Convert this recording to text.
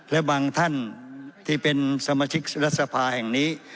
และบางท่านที่เป็นสมาชิกรัฐสภาแห่งนี้